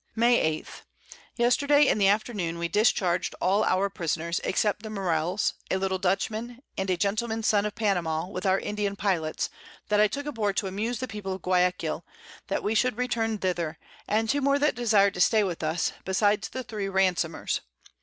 May 8. Yesterday, in the Afternoon, we discharg'd all our Prisoners, except the Morells, a little Dutchman, and a Gentleman's son of Panama, with our Indian Pilots, that I took aboard to amuse the People of Guiaquil that we should return thither, and 2 more that desir'd to stay with us, besides the 3 Ransomers.